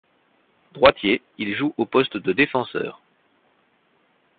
Droitier, il joue au poste de défenseur.